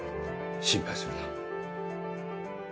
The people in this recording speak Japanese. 心配するな。